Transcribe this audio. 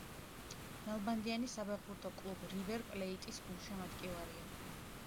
ნალბანდიანი საფეხბურთო კლუბ „რივერ პლეიტის“ გულშემატკივარია.